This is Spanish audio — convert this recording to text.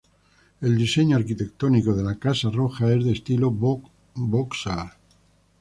El diseño arquitectónico de la Casa Roja es de estilo Beaux-Arts.